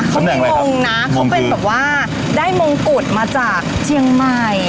ตำแหน่งอะไรครับเขาเป็นแบบว่าได้มงกุฎมาจากเจียงใหม่